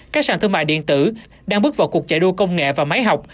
các sản thương mại điện tử đang bước vào cuộc chạy đua công nghệ và máy học